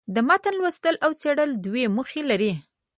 د متن لوستل او څېړل دوې موخي لري.